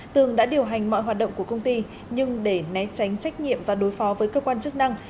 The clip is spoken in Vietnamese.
tường đã điều hành mọi hoạt động của công ty nhưng để né tránh trách nhiệm và đối phó với cơ quan chức năng